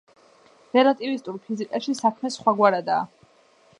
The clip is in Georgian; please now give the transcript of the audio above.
რელატივისტური ფიზიკაში საქმე სხვაგვარადაა.